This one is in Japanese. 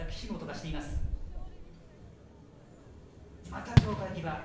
また場外際。